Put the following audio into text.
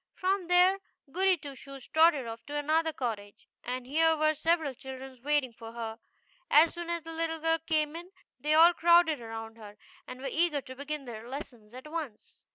From there Goody Two Shoes trotted off to another cottage, and here were several children waiting for her. As soon as the little girl came in they all crowded around her, and were eager to begin their lessons at once.